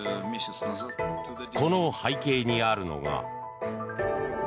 この背景にあるのが。